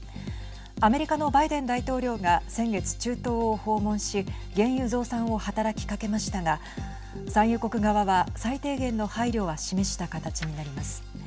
アメリカのバイデン大統領が先月、中東を訪問し原油増産を働きかけましたが産油国側は、最低限の配慮を示した形になります。